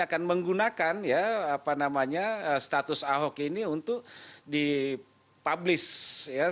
akan menggunakan ya apa namanya status ahok ini untuk dipublish ya